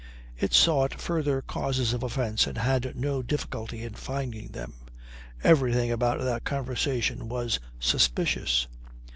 It sought further causes of offence and had no difficulty in finding them. Everything about that conversation was suspicious.